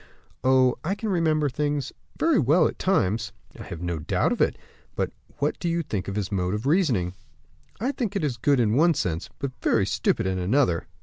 "Oh! I can remember things very well, at times!" "I have no doubt of it; but what do you think of his mode of reasoning?" "I think it good in one sense, but very stupid in another."